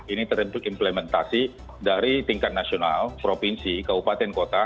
ini terhentuk implementasi dari tingkat nasional provinsi keupatan kota